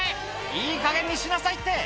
いいかげんにしなさいって！」